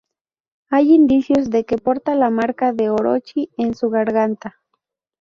Hay indicios de que porta la marca de Orochi en su garganta.